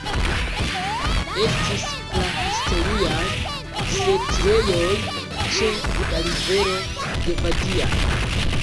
Estis prahistoriaj setlejoj ĉe la rivero Gvadiano.